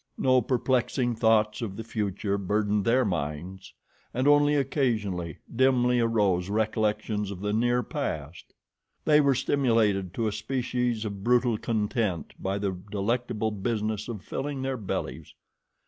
No perplexing thoughts of the future burdened their minds, and only occasionally, dimly arose recollections of the near past. They were stimulated to a species of brutal content by the delectable business of filling their bellies.